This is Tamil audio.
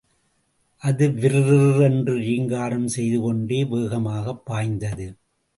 அது விர்ர்ர் என்று ரீங்காம் செய்துகொண்டே வேகமாகப் பாய்ந்தது.